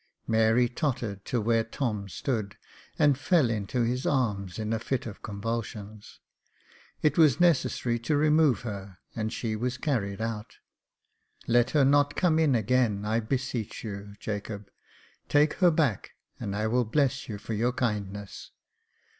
Mary tottered to where Tom stood, and fell into his arms in a fit of Jacob Faithful 413 convulsions. It was necessary to remove her, and she was carried out. " Let her not come in again, I beseech you, Jacob ; take her back, and I will bless you for your kind ness.